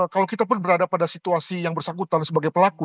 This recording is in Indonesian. kalau kita pun berada pada situasi yang bersangkutan sebagai pelaku